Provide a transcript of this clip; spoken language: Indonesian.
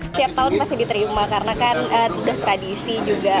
setiap tahun masih diterima karena kan udah tradisi juga